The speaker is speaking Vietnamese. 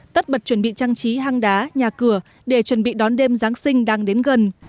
tất bật chuẩn bị trang trí hang đá nhà cửa để chuẩn bị đón đêm giáng sinh đang đến gần